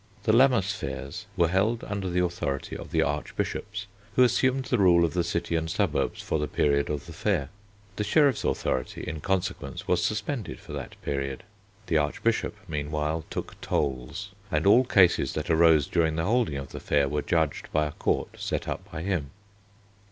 The Lammas fairs were held under the authority of the Archbishops, who assumed the rule of the city and suburbs for the period of the fair. The sheriffs' authority, in consequence, was suspended for that period. The Archbishop, meanwhile, took tolls, and all cases that arose during the holding of the fair were judged by a court set up by him.